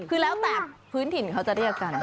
คือแล้วแต่พื้นถิ่นเขาจะเรียกกัน